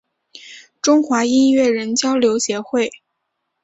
中华音乐人交流协会